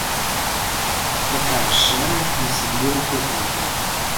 Такая ж шэрая, не асабліва прыгожая.